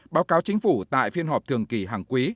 báo cáo chính phủ tại phiên họp thượng